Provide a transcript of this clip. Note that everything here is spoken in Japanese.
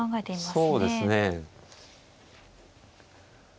そうですね。